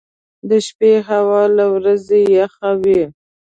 • د شپې هوا له ورځې یخه وي.